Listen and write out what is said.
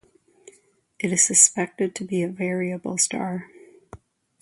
It is suspected to be a variable star.